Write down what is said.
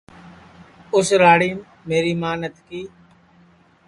اُس راڑیم میری ماں نتکی